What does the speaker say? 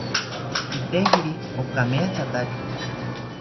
Kitejiri okamethataki